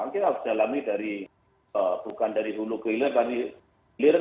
kita harus dalami dari bukan dari hulu ke hilir